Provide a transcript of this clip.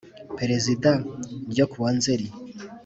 Perezida n ryo ku wa nzeli